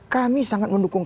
kami sangat mendukung